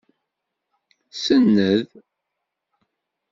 Senned.